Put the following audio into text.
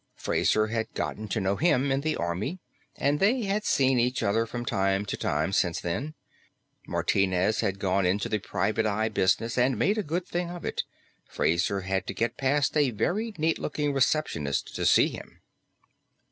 Fraser had gotten to know him in the army, and they had seen each other from time to time since then. Martinez had gone into the private eye business and made a good thing of it; Fraser had to get past a very neat looking receptionist to see him.